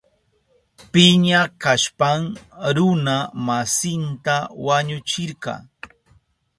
Piña kashpan runa masinta wañuchirka.